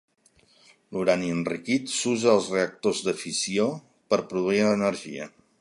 L'urani enriquit s'usa als reactors de fissió per produir energia.